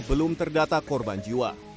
belum terdata korban jiwa